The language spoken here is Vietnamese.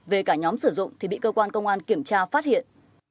về cả nhóm sử dụng thì bị cơ quan công an kiểm tra phát hiện